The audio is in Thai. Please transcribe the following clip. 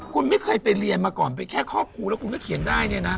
คุณไม่เคยไปเรียนมาก่อนไปแค่ครอบครูแล้วคุณก็เขียนได้เนี่ยนะ